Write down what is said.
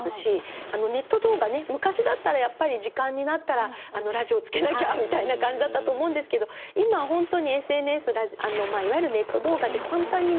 ネット動画ね昔だったらやっぱり時間になったらラジオつけなきゃみたいな感じだったと思うんですけど今は本当にＳＮＳいわゆるネット動画で簡単に見れますよね。